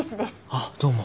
あっどうも。